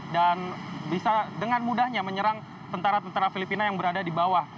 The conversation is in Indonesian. dan bisa dengan mudahnya menyerang tentara tentara filipina yang berada di bawah